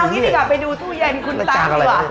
งี้ดีกว่าไปดูตู้เย็นคุณตาดีกว่า